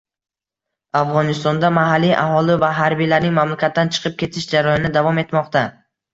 Afg‘onistonda mahalliy aholi va harbiylarning mamlakatdan chiqib ketish jarayoni davom etmoqda